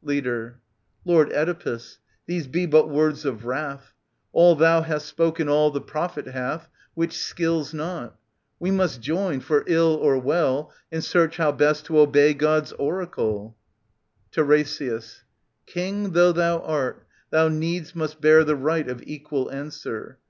Leader. Lord Oedipus, these be but words of wrath, All thou hast spoke and all the Prophet hath. Which skills not. We must join, for ill or well, In search how best to obey God's oracle. TiRESIAS. King though thou art, thou needs must bear the right Of equal answer.